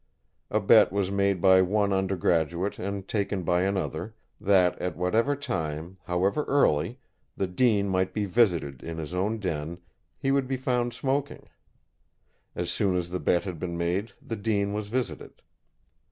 A bet was made by one undergraduate and taken by another, that at whatever time, however early, the Dean might be visited in his own den, he would be found smoking. As soon as the bet had been made the Dean was visited.